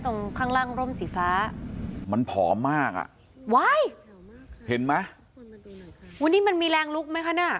ตรงข้างล่างร่มสีฟ้ามันผอมมากอ่ะว้ายเห็นไหมวันนี้มันมีแรงลุกไหมคะเนี่ย